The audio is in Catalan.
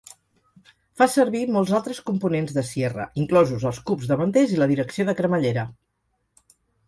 Fa servir molts altres components de Sierra, inclosos els cubs davanters i la direcció de cremallera.